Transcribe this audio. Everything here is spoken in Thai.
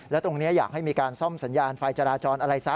แล้วตรงนี้อยากให้มีการซ่อมสัญญาณไฟจราจรอะไรซะ